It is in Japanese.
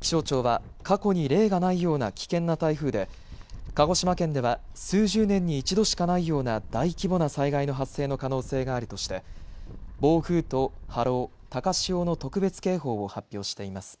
気象庁は過去に例がないような危険な台風で鹿児島県では数十年に一度しかないような大規模な災害の発生の可能性があるとして暴風と波浪、高潮の特別警報を発表しています。